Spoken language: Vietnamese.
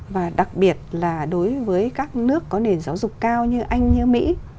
và đặc biệt là đối với các nước có nền giáo dục cao như anh như mỹ